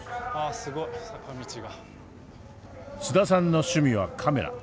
須田さんの趣味はカメラ。